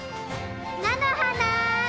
なのはな！